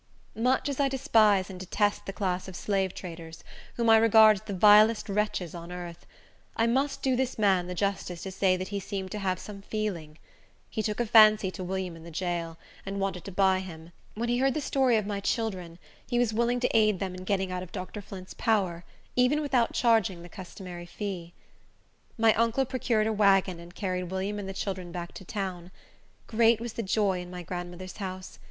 Much as I despise and detest the class of slave traders, whom I regard as the vilest wretches on earth, I must do this man the justice to say that he seemed to have some feeling. He took a fancy to William in the jail, and wanted to buy him. When he heard the story of my children, he was willing to aid them in getting out of Dr. Flint's power, even without charging the customary fee. My uncle procured a wagon and carried William and the children back to town. Great was the joy in my grandmother's house!